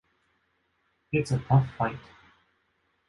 It's a tough fight.